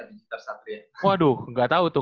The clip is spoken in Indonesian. citra satria waduh gak tau tuh